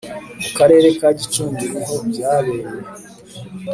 mu Karere ka Gicumbi niho byabereye